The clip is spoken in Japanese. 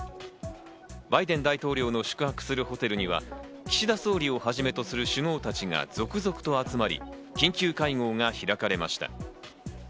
バイデン大統領の宿泊するホテルには、岸田総理をはじめとする首脳たちが続々と集まり、緊急会合が開かれました。